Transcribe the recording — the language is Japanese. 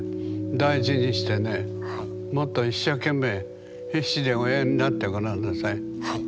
大事にしてねもっと一生懸命必死でおやりになってごらんなさい。